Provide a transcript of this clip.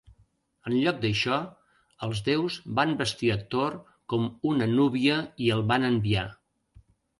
En lloc d'això, els déus van vestir a Thor com una núvia i el van enviar.